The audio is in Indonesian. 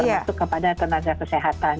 untuk kepada tenaga kesehatan